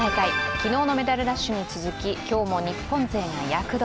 昨日のメダルラッシュに続き今日も日本勢が躍動。